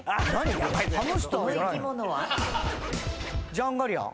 ジャンガリアン？